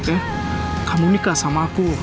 eh kamu nikah sama aku